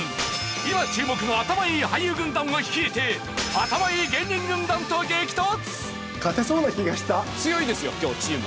今注目の頭いい俳優軍団を率いて頭いい芸人軍団と激突！